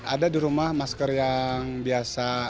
ada di rumah masker yang biasa